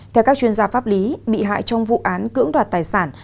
theo các chuyên gia pháp lý bị hại trong vụ án cưỡng đoạt tài sản